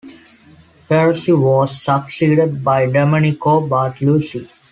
Perosi was succeeded by Domenico Bartolucci.